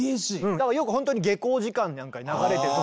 だからよくほんとに下校時間なんかに流れてる所もある。